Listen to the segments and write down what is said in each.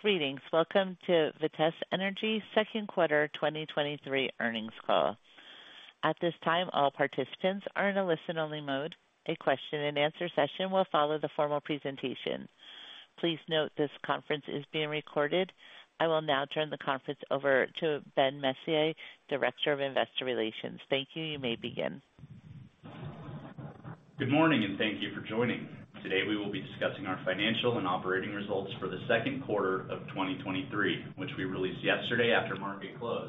Greetings! Welcome to Vitesse Energy Second Quarter 2023 Earnings Call. At this time, all participants are in a listen-only mode. A question-and-answer session will follow the formal presentation. Please note this conference is being recorded. I will now turn the conference over to Ben Messier, Director of Investor Relations. Thank you. You may begin. Good morning, and thank you for joining. Today, we will be discussing our financial and operating results for the second quarter of 2023, which we released yesterday after market close.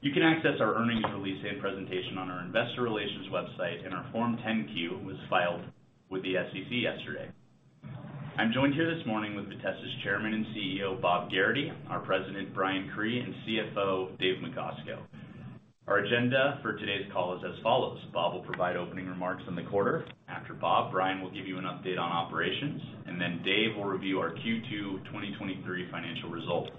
You can access our earnings release and presentation on our investor relations website. Our Form 10-Q was filed with the SEC yesterday. I'm joined here this morning with Vitesse's Chairman and CEO, Bob Gerrity, our President, Brian Cree, and CFO, David Macosko. Our agenda for today's call is as follows: Bob will provide opening remarks on the quarter. After Bob, Brian will give you an update on operations, and then David will review our Q2 2023 financial results.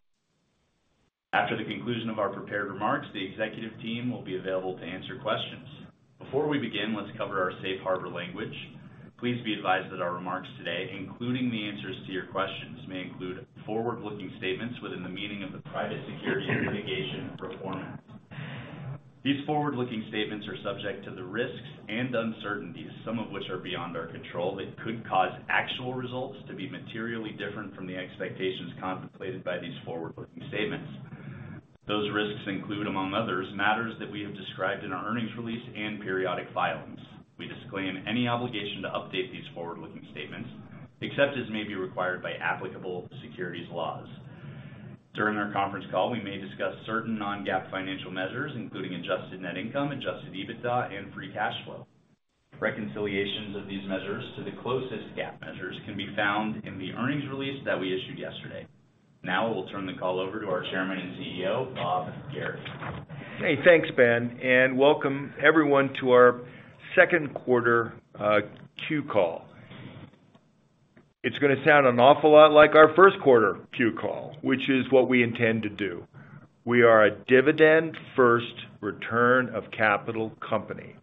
After the conclusion of our prepared remarks, the executive team will be available to answer questions. Before we begin, let's cover our safe harbor language. Please be advised that our remarks today, including the answers to your questions, may include forward-looking statements within the meaning of the Private Securities Litigation Reform Act. These forward-looking statements are subject to the risks and uncertainties, some of which are beyond our control, that could cause actual results to be materially different from the expectations contemplated by these forward-looking statements. Those risks include, among others, matters that we have described in our earnings release and periodic filings. We disclaim any obligation to update these forward-looking statements, except as may be required by applicable securities laws. During our conference call, we may discuss certain non-GAAP financial measures, including adjusted net income, adjusted EBITDA, and free cash flow. Reconciliations of these measures to the closest GAAP measures can be found in the earnings release that we issued yesterday. Now, I will turn the call over to our Chairman and CEO, Bob Gerrity. Hey, thanks, Ben, and welcome everyone to our Second Quarter Q Call. It's gonna sound an awful lot like our first quarter Q call, which is what we intend to do. We are a dividend first return of capital company.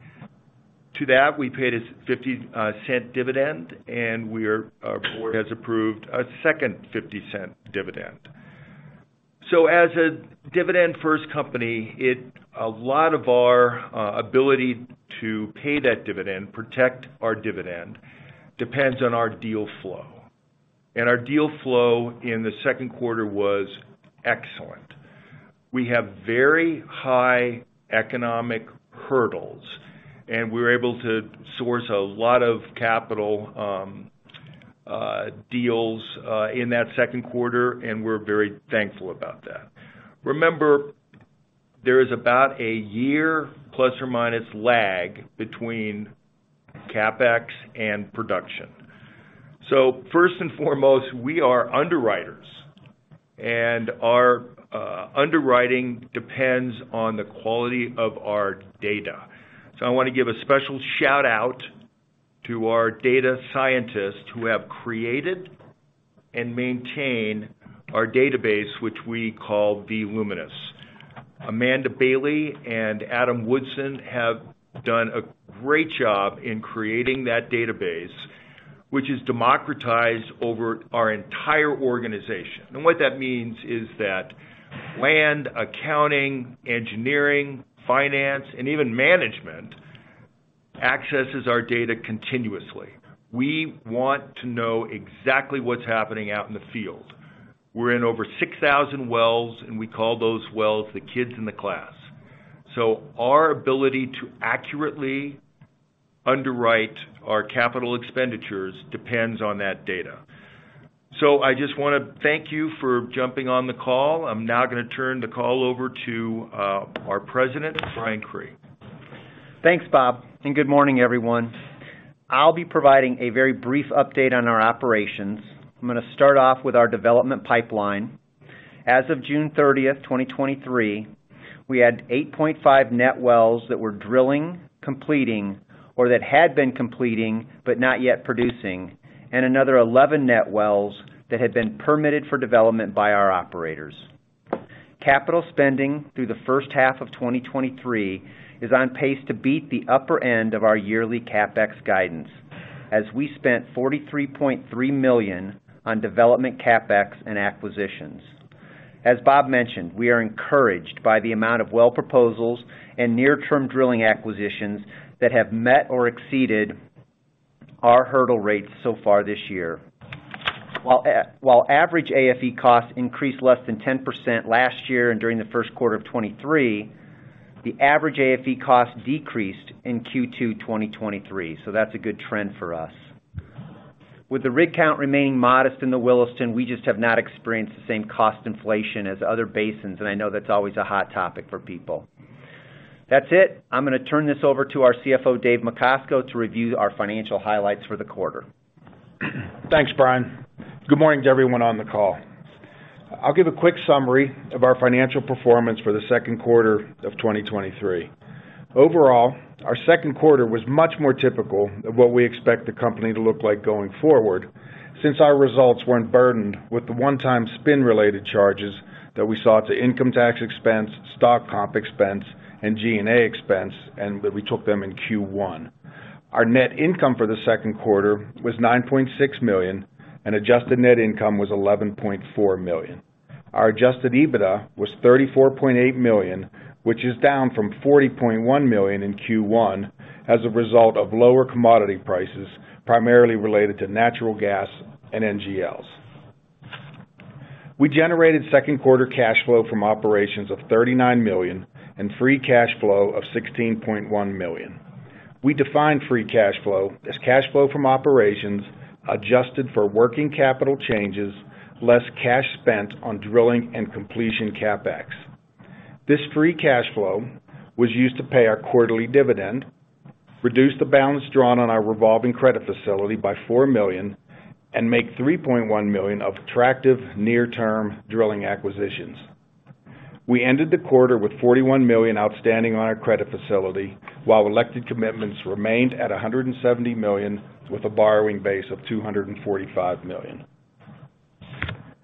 To that, we paid a $0.50 dividend, and our board has approved a second $0.50 dividend. As a dividend-first company, it a lot of our ability to pay that dividend, protect our dividend, depends on our deal flow. Our deal flow in the second quarter was excellent. We have very high economic hurdles, and we're able to source a lot of capital deals in that second quarter, and we're very thankful about that. Remember, there is about a year ± lag between CapEx and production. First and foremost, we are underwriters, and our underwriting depends on the quality of our data. I want to give a special shout-out to our data scientists who have created and maintained our database, which we call the Luminis. Amanda Bailey and Adam Woodson have done a great job in creating that database, which is democratized over our entire organization. What that means is that land, accounting, engineering, finance, and even management accesses our data continuously. We want to know exactly what's happening out in the field. We're in over 6,000 wells, and we call those wells the kids in the class. Our ability to accurately underwrite our capital expenditures depends on that data. I just wanna thank you for jumping on the call. I'm now gonna turn the call over to our President, Brian Cree. Thanks, Bob, and good morning, everyone. I'll be providing a very brief update on our operations. I'm gonna start off with our development pipeline. As of June 30, 2023, we had 8.5 net wells that were drilling, completing, or that had been completing but not yet producing, and another 11 net wells that had been permitted for development by our operators. Capital spending through the first half of 2023 is on pace to beat the upper end of our yearly CapEx guidance, as we spent $43.3 million on development CapEx and acquisitions. As Bob mentioned, we are encouraged by the amount of well proposals and near-term drilling acquisitions that have met or exceeded our hurdle rates so far this year. While, while average AFE costs increased less than 10% last year and during the first quarter of 2023, the average AFE cost decreased in Q2 2023. That's a good trend for us. With the rig count remaining modest in the Williston, we just have not experienced the same cost inflation as other basins, and I know that's always a hot topic for people. That's it. I'm gonna turn this over to our CFO, David Macosko, to review our financial highlights for the quarter. Thanks, Brian. Good morning to everyone on the call. I'll give a quick summary of our financial performance for the second quarter of 2023. Overall, our second quarter was much more typical of what we expect the company to look like going forward, since our results weren't burdened with the one-time spin-related charges that we saw to income tax expense, stock comp expense, and G&A expense, and we took them in Q1. Our net income for the second quarter was $9.6 million, and adjusted net income was $11.4 million. Our adjusted EBITDA was $34.8 million, which is down from $40.1 million in Q1 as a result of lower commodity prices, primarily related to natural gas and NGLs. We generated second quarter cash flow from operations of $39 million and free cash flow of $16.1 million. We define free cash flow as cash flow from operations, adjusted for working capital changes, less cash spent on drilling and completion CapEx. This free cash flow was used to pay our quarterly dividend, reduce the balance drawn on our revolving credit facility by $4 million, and make $3.1 million of attractive near-term drilling acquisitions. We ended the quarter with $41 million outstanding on our credit facility, while elected commitments remained at $170 million, with a borrowing base of $245 million.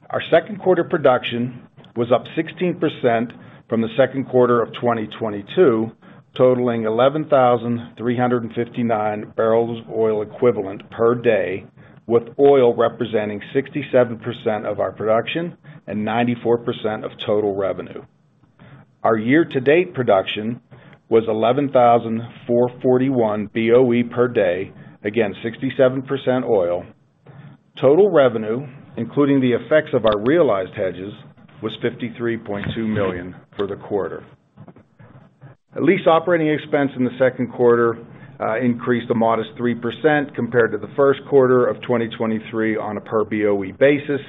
Our second quarter production was up 16% from the second quarter of 2022, totaling 11,359 barrels of oil equivalent per day, with oil representing 67% of our production and 94% of total revenue. Our year-to-date production was 11,441 BOE per day. 67% oil. Total revenue, including the effects of our realized hedges, was $53.2 million for the quarter. Lease operating expense in the second quarter increased a modest 3% compared to the first quarter of 2023 on a per BOE basis,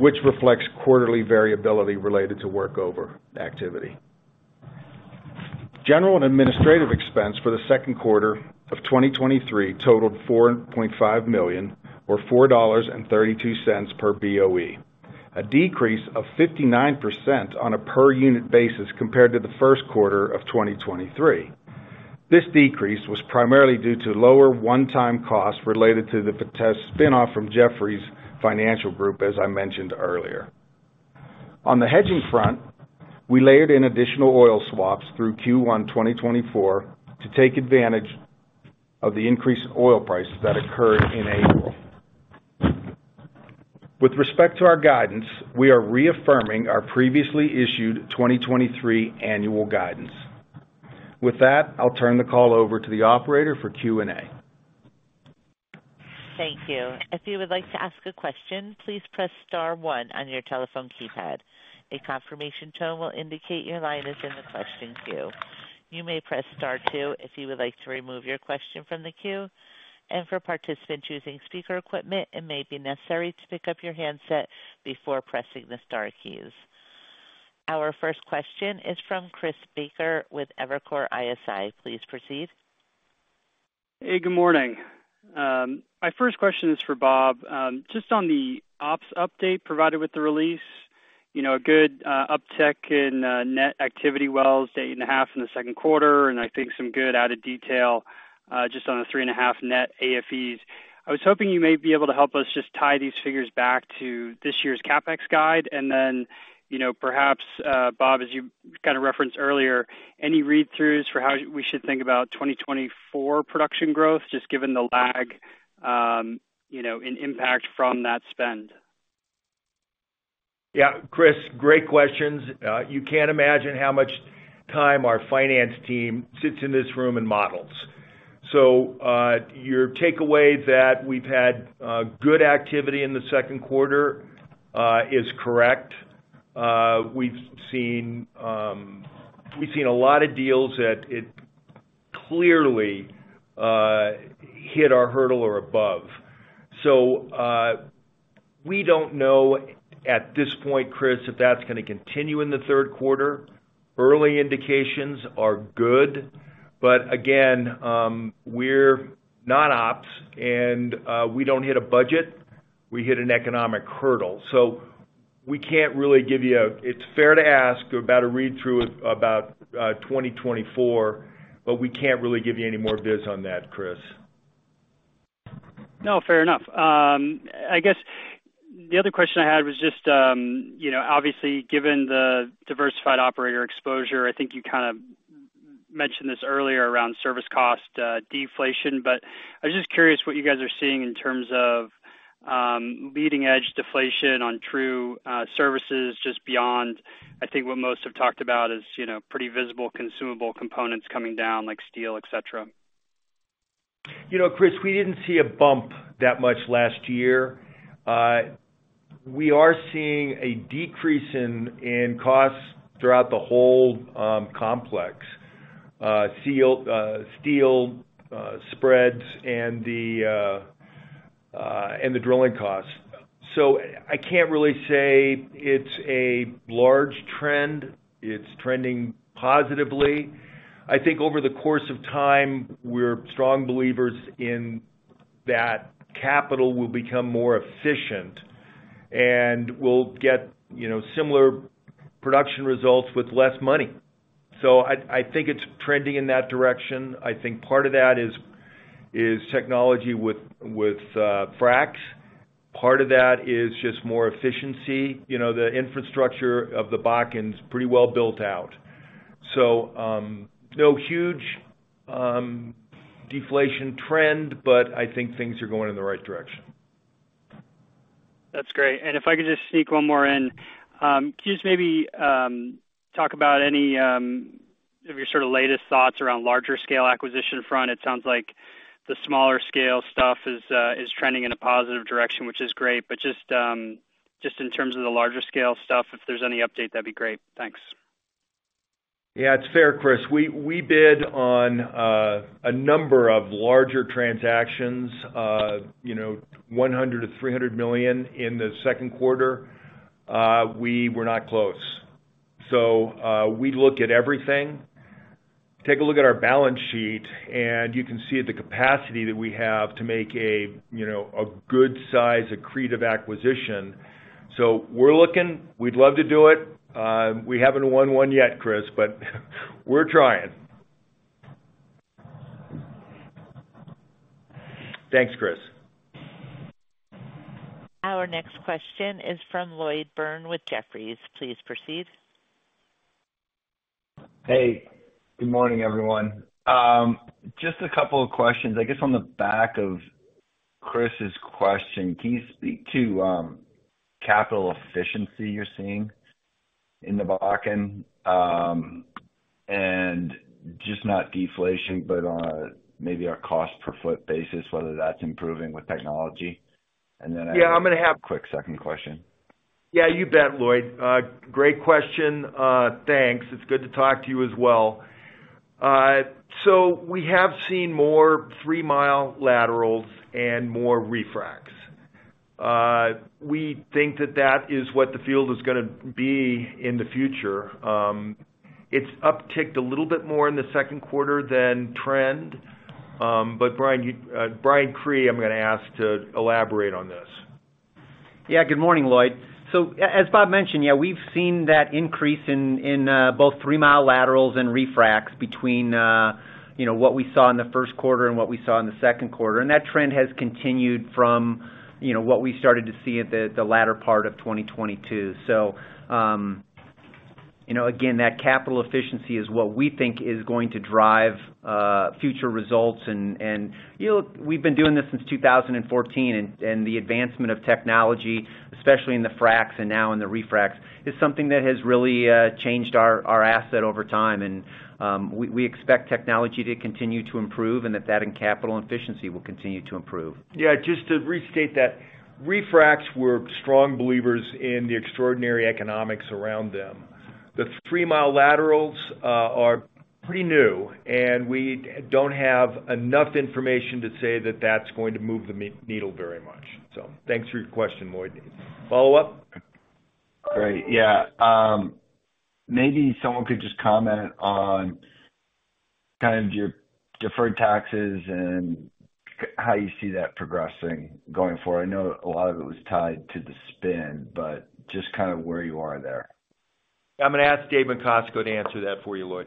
which reflects quarterly variability related to workover activity. General and administrative expense for the second quarter of 2023 totaled $4.5 million, or $4.32 per BOE, a decrease of 59% on a per unit basis compared to the first quarter of 2023. This decrease was primarily due to lower one-time costs related to the Vitesse spin off from Jefferies Financial Group, as I mentioned earlier. On the hedging front, we layered in additional oil swaps through Q1 2024 to take advantage of the increased oil prices that occurred in April. With respect to our guidance, we are reaffirming our previously issued 2023 annual guidance. With that, I'll turn the call over to the operator for Q&A. Thank you. If you would like to ask a question, please press star one on your telephone keypad. A confirmation tone will indicate your line is in the question queue. You may press star two if you would like to remove your question from the queue, and for participants using speaker equipment, it may be necessary to pick up your handset before pressing the star keys. Our first question is from Chris Baker with Evercore ISI. Please proceed. Hey, good morning. My first question is for Bob. Just on the ops update provided with the release, you know, a good uptick in net activity wells, 8.5 in the second quarter, and I think some good added detail just on the 3.5 net AFEs. I was hoping you may be able to help us just tie these figures back to this year's CapEx guide, and then, you know, perhaps, Bob, as you kind of referenced earlier, any read-throughs for how we should think about 2024 production growth, just given the lag, you know, in impact from that spend? Yeah. Chris, great questions. You can't imagine how much time our finance team sits in this room and models. Your takeaway that we've had good activity in the second quarter is correct. We've seen, we've seen a lot of deals that it clearly hit our hurdle or above. We don't know at this point, Chris, if that's gonna continue in the third quarter. Early indications are good, again, we're not ops and we don't hit a budget, we hit an economic hurdle. We can't really give you. It's fair to ask about a read-through about 2024, we can't really give you any more biz on that, Chris. No, fair enough. I guess the other question I had was just, you know, obviously, given the diversified operator exposure, I think you kind of mentioned this earlier around service cost deflation, but I was just curious what you guys are seeing in terms of leading edge deflation on true services, just beyond. I think what most have talked about is, you know, pretty visible consumable components coming down like steel, et cetera. You know, Chris, we didn't see a bump that much last year. We are seeing a decrease in, in costs throughout the whole complex, steel, spreads, and the drilling costs. I can't really say it's a large trend. It's trending positively. I think over the course of time, we're strong believers in that capital will become more efficient, and we'll get, you know, similar production results with less money. I, I think it's trending in that direction. I think part of that is, is technology with, with, fracs. Part of that is just more efficiency. You know, the infrastructure of the Bakken is pretty well built out. No huge deflation trend, but I think things are going in the right direction. That's great. If I could just sneak one more in. Can you just maybe talk about any of your sort of latest thoughts around larger scale acquisition front? It sounds like the smaller scale stuff is trending in a positive direction, which is great. Just in terms of the larger scale stuff, if there's any update, that'd be great. Thanks. Yeah, it's fair, Chris. We, we bid on a number of larger transactions, you know, $100 million-$300 million in the second quarter. We were not close. We look at everything. Take a look at our balance sheet, and you can see the capacity that we have to make a, you know, a good size accretive acquisition. We're looking. We'd love to do it. We haven't won one yet, Chris, but we're trying. Thanks, Chris. Our next question is from Lloyd Byrne with Jefferies. Please proceed. Hey, good morning, everyone. Just a couple of questions. I guess on the back of Chris's question, can you speak to capital efficiency you're seeing in the Bakken, and just not deflation, but on a maybe a cost per foot basis, whether that's improving with technology? Yeah, I'm gonna. Quick second question. Yeah, you bet, Lloyd. Great question. Thanks. It's good to talk to you as well. We have seen more three-mile laterals and more refracs. We think that that is what the field is gonna be in the future. It's upticked a little bit more in the second quarter than trend. Brian Cree, I'm gonna ask to elaborate on this. Yeah, good morning, Lloyd. As Bob mentioned, yeah, we've seen that increase in, in both three-mile laterals and refracs between, you know, what we saw in the first quarter and what we saw in the second quarter, and that trend has continued from, you know, what we started to see at the, the latter part of 2022. You know, again, that capital efficiency is what we think is going to drive future results. And, you know, we've been doing this since 2014, and the advancement of technology, especially in the fracs and now in the refracs, is something that has really changed our, our asset over time. We, we expect technology to continue to improve and that that and capital efficiency will continue to improve. Yeah, just to restate that, refracs, we're strong believers in the extraordinary economics around them. The three-mile laterals, are pretty new, and we don't have enough information to say that that's going to move the needle very much. Thanks for your question, Lloyd. Follow up? Great. Yeah. Maybe someone could just comment on kind of your deferred taxes and how you see that progressing going forward. I know a lot of it was tied to the spin, but just kind of where you are there. I'm gonna ask David Macosko to answer that for you, Lloyd.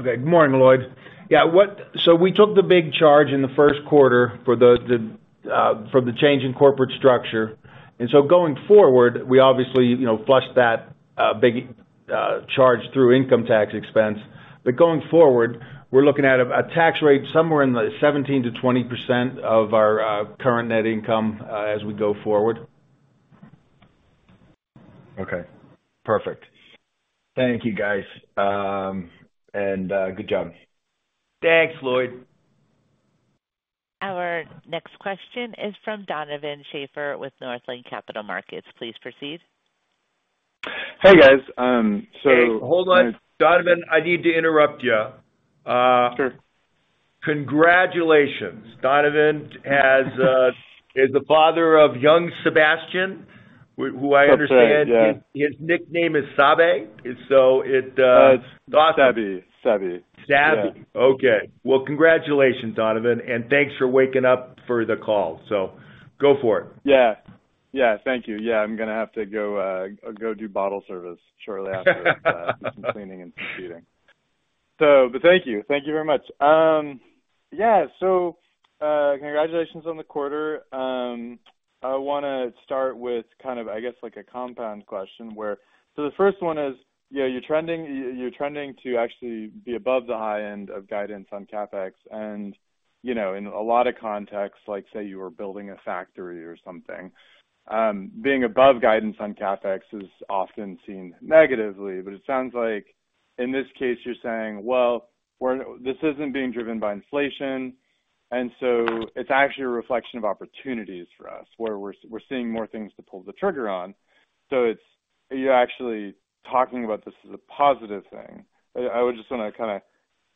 Okay. Good morning, Lloyd. Yeah, we took the big charge in the first quarter for the, the, for the change in corporate structure. Going forward, we obviously, you know, flushed that big charge through income tax expense. Going forward, we're looking at a tax rate somewhere in the 17%-20% of our current net income as we go forward. Okay, perfect. Thank you, guys. Good job. Thanks, Lloyd. Our next question is from Donovan Schafer with Northland Capital Markets. Please proceed. Hey, guys, Hey, hold on. Donovan, I need to interrupt you. Sure. Congratulations! Donovan is the father of young Sebastian, who I understand- That's right, yeah. His nickname is Sabe. It, Sabby, Sabby. Sabby. Yeah. Okay. Well, congratulations, Donovan, and thanks for waking up for the call. Go for it. Yeah. Yeah, thank you. Yeah, I'm gonna have to go, go do bottle service shortly after some cleaning and some feeding. But thank you. Thank you very much. Yeah, congratulations on the quarter. I wanna start with kind of, I guess, like, a compound question where, the first one is, yeah, you're trending, you're trending to actually be above the high end of guidance on CapEx. You know, in a lot of contexts, like, say, you were building a factory or something, being above guidance on CapEx is often seen negatively, but it sounds like in this case, you're saying, "Well, we're this isn't being driven by inflation, and so it's actually a reflection of opportunities for us, where we're, we're seeing more things to pull the trigger on." It's, you're actually talking about this as a positive thing. I, I would just wanna kinda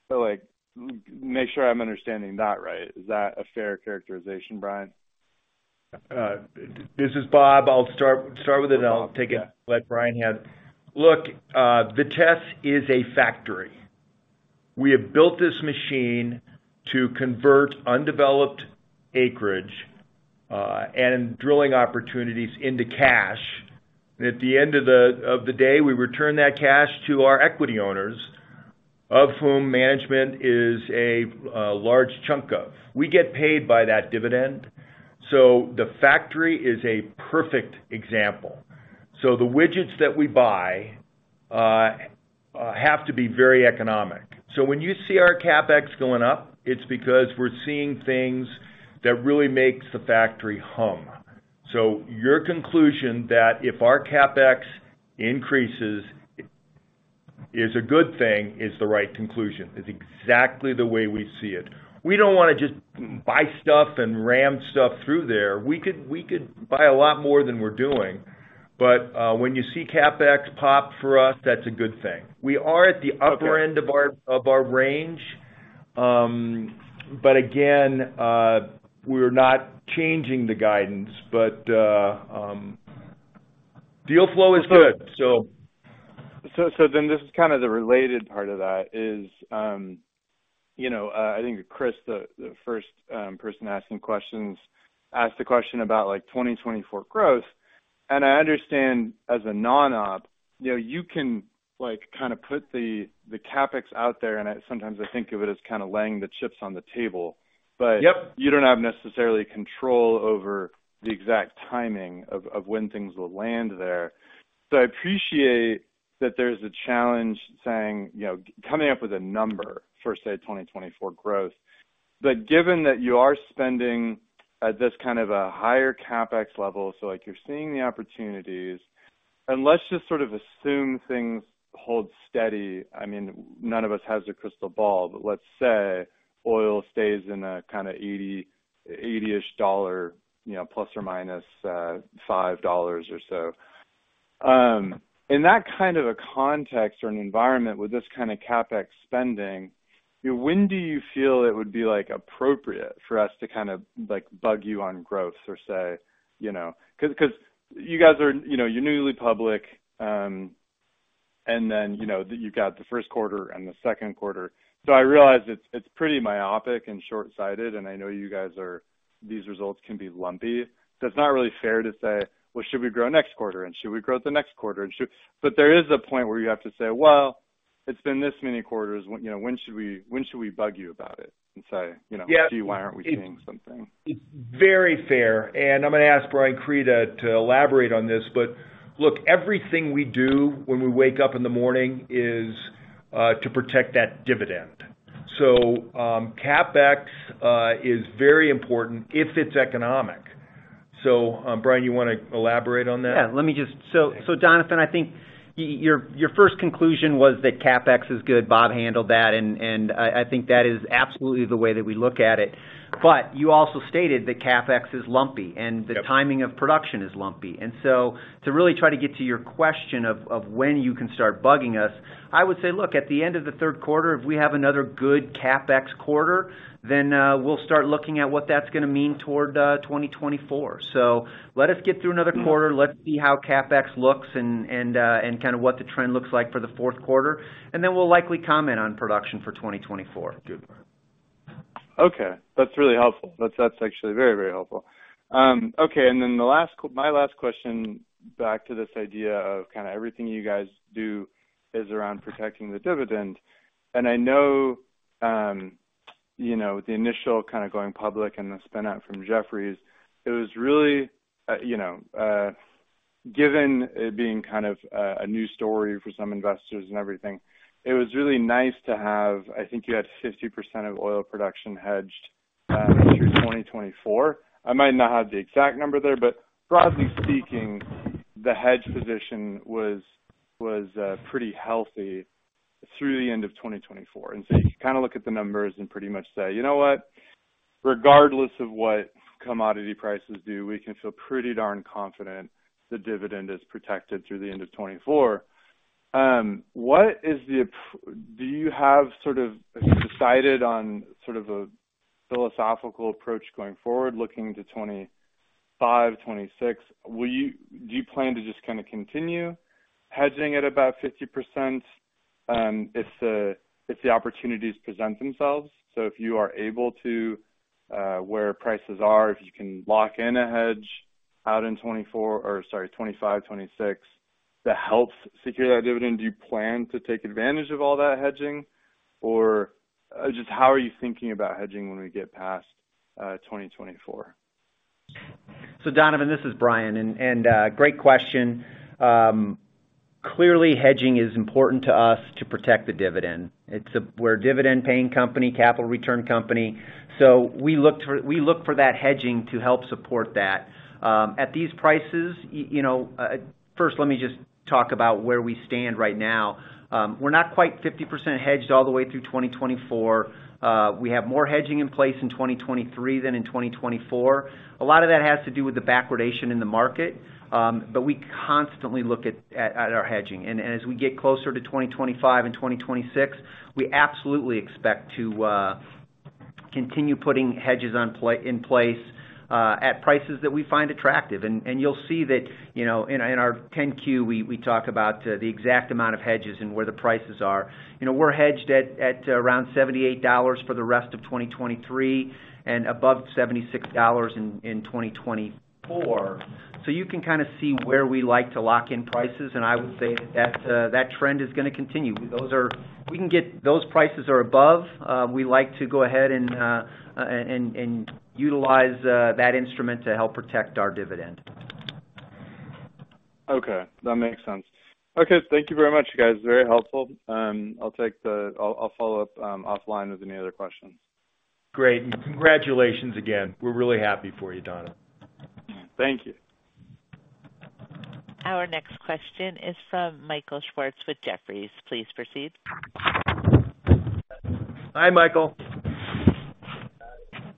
feel like make sure I'm understanding that right. Is that a fair characterization, Brian? This is Bob. I'll start, start with it, and I'll take it, like Brian had. Look, Vitesse is a factory. We have built this machine to convert undeveloped acreage and drilling opportunities into cash. At the end of the day, we return that cash to our equity owners, of whom management is a large chunk of. We get paid by that dividend. The factory is a perfect example. The widgets that we buy have to be very economic. When you see our CapEx going up, it's because we're seeing things that really makes the factory hum. Your conclusion that if our CapEx increases, is a good thing, is the right conclusion. It's exactly the way we see it. We don't wanna just buy stuff and ram stuff through there. We could, we could buy a lot more than we're doing, but when you see CapEx pop for us, that's a good thing. We are at the upper end of our, of our range. Again, we're not changing the guidance, but deal flow is good. This is kind of the related part of that, is, you know, I think Chris, the, the first person asking questions, asked a question about, like, 2024 growth. I understand as a non-op, you know, you can, like, kinda put the, the CapEx out there, and I sometimes I think of it as kinda laying the chips on the table. Yep. You don't have necessarily control over the exact timing of, of when things will land there. I appreciate that there's a challenge saying, you know, coming up with a number for, say, 2024 growth. Given that you are spending at this kind of a higher CapEx level, so, like, you're seeing the opportunities, and let's just sort of assume things hold steady. I mean, none of us has a crystal ball, but let's say oil stays in a kinda $80, 80-ish, you know, plus or minus $5 or so. In that kind of a context or an environment with this kind of CapEx spending, when do you feel it would be, like, appropriate for us to kind of, like, bug you on growth or say, you know? 'Cause, 'cause you guys are, you know, you're newly public, and then, you know, you've got the first quarter and the second quarter. I realize it's, it's pretty myopic and short-sighted, and I know you guys are, these results can be lumpy. It's not really fair to say, "Well, should we grow next quarter? And should we grow the next quarter? And should, " There is a point where you have to say, "Well, it's been this many quarters, when, you know, when should we, when should we bug you about it?" Say, "You know... Yeah. Gee, why aren't we seeing something? It's very fair. I'm gonna ask Brian Cree to elaborate on this. Look, everything we do when we wake up in the morning is to protect that dividend. CapEx is very important if it's economic. Brian, you wanna elaborate on that? Yeah, let me just. Jonathan, I think your, your first conclusion was that CapEx is good. Bob handled that, and I think that is absolutely the way that we look at it. You also stated that CapEx is lumpy. Yep. The timing of production is lumpy. To really try to get to your question of when you can start bugging us, I would say, look, at the end of the third quarter, if we have another good CapEx quarter, then we'll start looking at what that's gonna mean toward 2024. Let us get through another quarter. Let's see how CapEx looks and, and kinda what the trend looks like for the fourth quarter, and then we'll likely comment on production for 2024. Good. Okay, that's really helpful. That's, that's actually very, very helpful. Okay, and then my last question, back to this idea of kinda everything you guys do is around protecting the dividend. I know, you know, the initial kinda going public and the spin out from Jefferies, it was really, you know, given it being kind of a new story for some investors and everything, it was really nice to have. I think you had 50% of oil production hedged through 2024. I might not have the exact number there, but broadly speaking, the hedge position was, was pretty healthy through the end of 2024. So you kinda look at the numbers and pretty much say, "You know what? Regardless of what commodity prices do, we can feel pretty darn confident the dividend is protected through the end of 2024. What is the do you have sort of decided on sort of a philosophical approach going forward, looking to 2025, 2026? Do you plan to just kinda continue hedging at about 50%, if the, if the opportunities present themselves? If you are able to, where prices are, if you can lock in a hedge out in 2024, or sorry, 2025, 2026, that helps secure that dividend, do you plan to take advantage of all that hedging? Or just how are you thinking about hedging when we get past 2024? Donovan, this is Brian, and, and, great question. Clearly, hedging is important to us to protect the dividend. It's we're a dividend-paying company, capital return company, so we look for, we look for that hedging to help support that. At these prices, you know, first, let me just talk about where we stand right now. We're not quite 50% hedged all the way through 2024. We have more hedging in place in 2023 than in 2024. A lot of that has to do with the backwardation in the market, but we constantly look at, at, at our hedging. As we get closer to 2025 and 2026, we absolutely expect to continue putting hedges in place at prices that we find attractive. You'll see that, you know, in our, in our Form 10-Q, we, we talk about the exact amount of hedges and where the prices are. You know, we're hedged at, at around $78 for the rest of 2023, and above $76 in, in 2024. You can kind of see where we like to lock in prices, and I would say that trend is going to continue. We can get those prices or above, we like to go ahead and, and, and utilize that instrument to help protect our dividend. Okay, that makes sense. Okay, thank you very much, guys. Very helpful. I'll follow up offline with any other questions. Great. Congratulations again. We're really happy for you, Donald. Thank you. Our next question is from Michael Schwartz with Jefferies. Please proceed. Hi, Michael.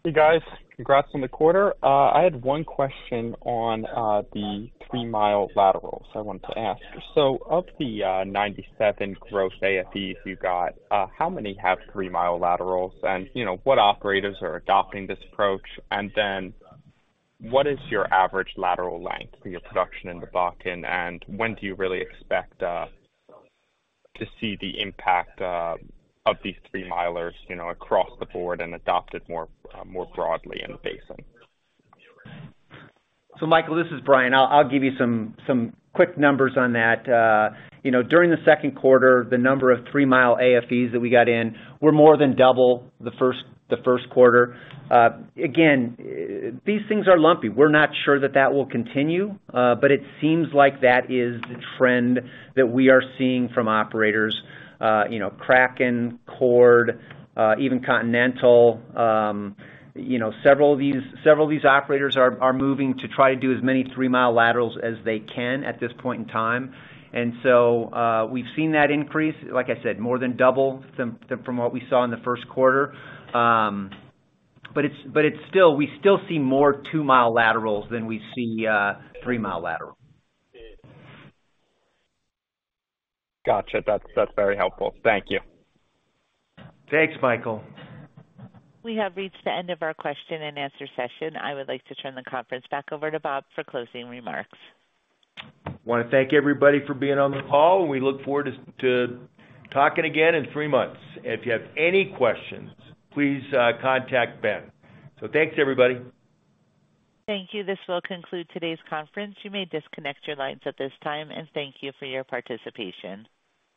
Hey, guys. Congrats on the quarter. I had one question on the three-mile laterals I wanted to ask. Of the 97 gross AFEs you got, how many have three-mile laterals? What operators are adopting this approach? What is your average lateral length for your production in the Bakken? When do you really expect to see the impact of these three milers, you know, across the board and adopted more broadly in the basin? Michael, this is Brian. I'll, I'll give you some, some quick numbers on that. You know, during the second quarter, the number of three-mile AFEs that we got in were more than double the first quarter. Again, these things are lumpy. We're not sure that that will continue, but it seems like that is the trend that we are seeing from operators. You know, Kraken, Chord, even Continental, you know, several of these, several of these operators are, are moving to try to do as many three-mile laterals as they can at this point in time. We've seen that increase, like I said, more than double from, from what we saw in the first quarter. But we still see more two-mile laterals than we see three-mile laterals. Gotcha. That's, that's very helpful. Thank you. Thanks, Michael. We have reached the end of our question-and-answer session. I would like to turn the conference back over to Bob for closing remarks. I want to thank everybody for being on the call. We look forward to, to talking again in three months. If you have any questions, please contact Ben. Thanks, everybody. Thank you. This will conclude today's conference. You may disconnect your lines at this time, and thank you for your participation.